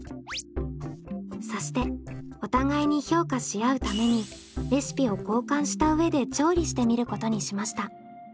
そしてお互いに評価し合うためにレシピを交換した上で調理してみることにしました。